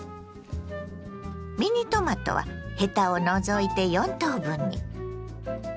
ミニトマトはヘタを除いて４等分に。